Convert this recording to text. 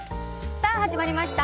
さあ、始まりました